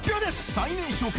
最年少か？